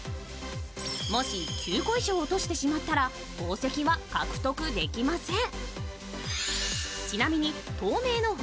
もし９個以上落としてしまったら宝石は獲得できません。